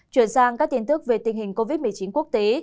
chuyển sang các tin tức về tình hình covid một mươi chín quốc tế